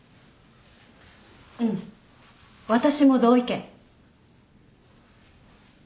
うん私も同意見。